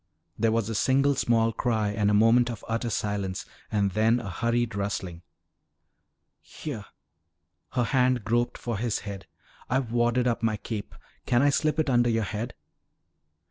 There was a single small cry and a moment of utter silence and then a hurried rustling. "Here." Her hand groped for his head. "I've wadded up my cape. Can I slip it under your head?"